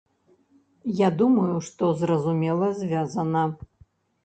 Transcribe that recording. Я думаю, што, зразумела, звязана.